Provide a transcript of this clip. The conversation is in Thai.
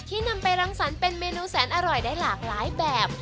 นำไปรังสรรค์เป็นเมนูแสนอร่อยได้หลากหลายแบบ